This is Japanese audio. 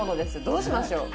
どうしましょう？